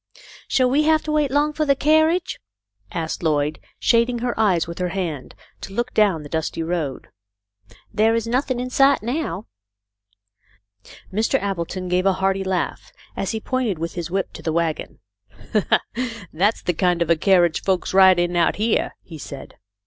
" Shall we have to wait long for the carriage ?" asked Lloyd, shading her eyes with her hand to look down the dusty road. "There is nothing in sight now." Mr. Appleton gave a hearty laugh as he pointed with his whip to the wagon. " That's the kind of a 32 THE LITTLE COLONEL'S HOLIDAYS. carriage folks ride in out here," he said.